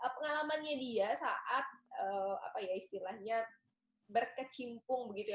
pengalamannya dia saat istilahnya berkecimpung begitu ya